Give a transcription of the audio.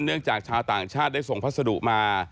จากชาวต่างชาติได้ส่งพัสดุมา